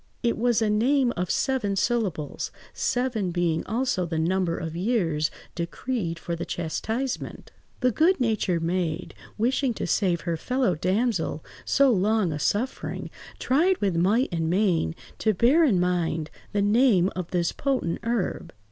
It was a name of seven syllables, seven being also the number of years decreed for the chastisement. The good–natured maid, wishing to save her fellow–damsel so long a suffering, tried with might and main to bear in mind the name of this potent herb.